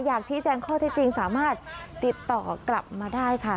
อยากชี้แจงข้อเท็จจริงสามารถติดต่อกลับมาได้ค่ะ